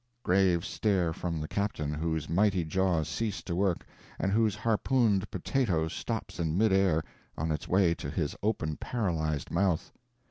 Grave stare from the captain, whose mighty jaws cease to work, and whose harpooned potato stops in midair on its way to his open, paralyzed mouth.